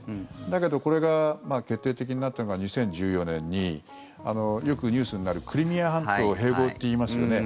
だけど、これが決定的になったのが２０１４年によくニュースになるクリミア半島併合っていいますよね。